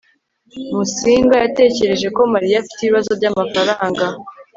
musinga yatekereje ko mariya afite ibibazo byamafaranga